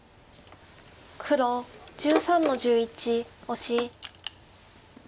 黒１３の十一オシ。